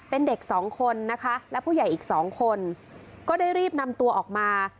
เป็นเด็กสองคนนะคะและผู้ใหญ่อีกสองคนก็ได้รีบนำตัวออกมา